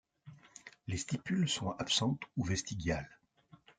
Les stipules sont absentes ou vestigiales.